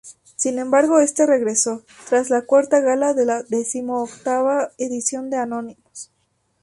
Sin embargo, este regresó tras la cuarta gala de la decimoctava edición de anónimos.